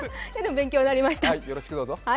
勉強になりました。